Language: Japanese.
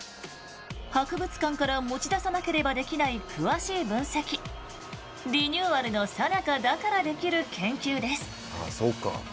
博物館から持ち出さなければできない詳しい分析リニューアルのさなかだからできる研究です。